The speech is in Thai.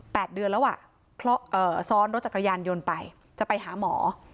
เดือนแล้วอ่ะเอ่อซ้อนรถจักรยานยนต์ไปจะไปหาหมอ